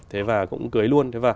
thế và cũng cưới luôn